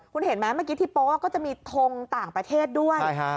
คุณเห็นไหมเมื่อกี้ที่โป๊ก็จะมีทงต่างประเทศด้วย